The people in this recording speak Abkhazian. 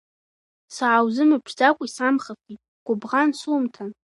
Сааузымԥшӡакәа исамхафеит, гәыбӷан сумҭан!